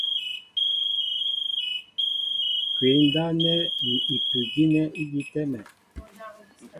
Kwǐ ndáp nɛ́ ni ipu' gínɛ́ ígi í tɛ́mɛ.